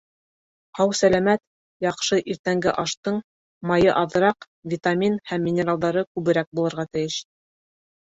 Һау-сәләмәт, яҡшы иртәнге аштың майы аҙыраҡ, витамин һәм минералдары күберәк булырға тейеш.